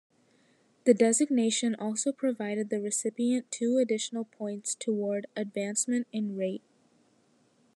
The designation also provided the recipient two additional points toward advancement in rate.